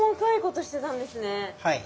はい。